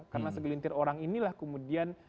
karena segelintir orang inilah kemudian